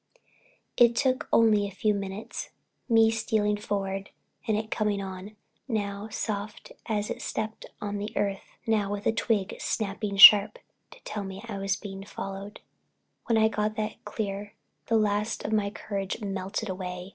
It only took a few minutes—me stealing forward and it coming on, now soft as it stepped on the earth, now with a twig snapping sharp—to tell me I was being followed. When I got that clear, the last of my courage melted away.